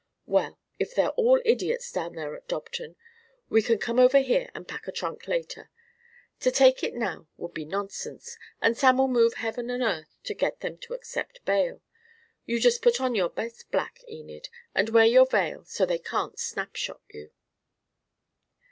Well, if they're all idiots down there at Dobton, we can come over here and pack a trunk later. To take it now would be nonsense, and Sam'll move heaven and earth to get them to accept bail. You just put on your best black, Enid, and wear your veil so they can't snapshot you."